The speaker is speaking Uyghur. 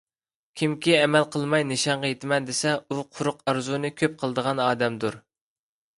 كىمكى ئەمەل قىلماي نىشانغا يېتىمەن دېسە، ئۇ قۇرۇق ئارزۇنى كۆپ قىلىدىغان ئادەمدۇر.